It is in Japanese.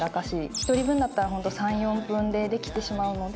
１人分だったら本当３４分でできてしまうので。